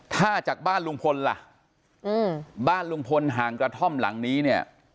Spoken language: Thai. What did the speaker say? ถ้าจากบ้านลุงพลล่ะบ้านลุงพลห่างกระท่อมหลังนี้เนี่ย